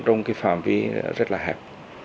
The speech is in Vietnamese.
trong cái phạm vi rất là hẹp